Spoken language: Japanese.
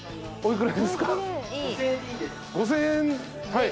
はい。